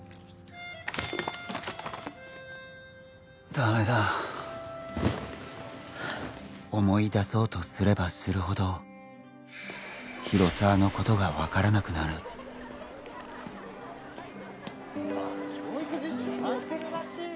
ダメだ思い出そうとすればするほど広沢のことが分からなくなる・教育実習な・モテるらしいよ